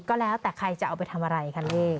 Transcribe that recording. ก็แล้วแต่ใครจะเอาไปทำอะไรคะลูก